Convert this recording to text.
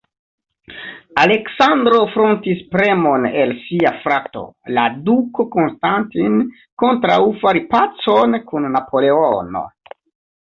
Aleksandro frontis premon el sia frato, la Duko Konstantin, kontraŭ fari pacon kun Napoleono.